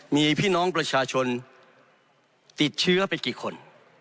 มีพี่น้องประชาชนติดเชื้อไปกี่คน